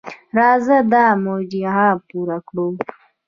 راځه دا مجموعه پوره کړو.